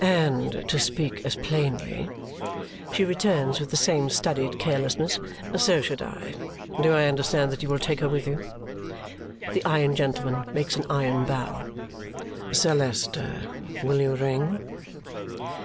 "And to speak as plainly," she returns with the same studied carelessness, "so should I. Do I understand that you will take her with you?" The iron gentleman makes an iron bow. "Sir Leicester, will you ring?"